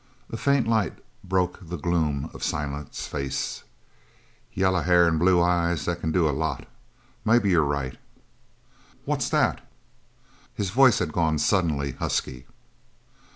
A faint light broke the gloom of Silent's face. "Yaller hair an' blue eyes. They c'n do a lot. Maybe you're right. What's that?" His voice had gone suddenly husky.